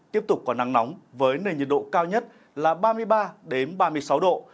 tiếp tục có nắng nóng với nền nhiệt độ cao nhất là ba mươi ba ba mươi sáu độ